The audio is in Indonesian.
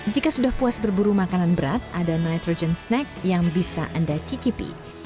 jika sudah puas berburu makanan berat ada lightrogen snack yang bisa anda cikipi